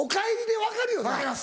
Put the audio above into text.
分かります。